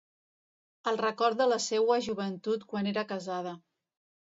El record de la seua joventut quan era casada.